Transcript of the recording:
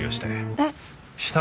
「えっ？」